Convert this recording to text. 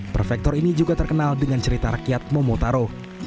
prefektor ini juga terkenal dengan cerita rakyat momotaro